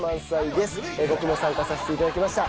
僕も参加させていただきました。